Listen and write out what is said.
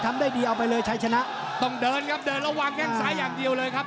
มากมีคลึกทักมากเลยครับ